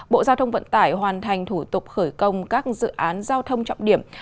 bộ giao thông vận tải hoàn thành thủ tục khởi công các dự án giao thông trọng điểm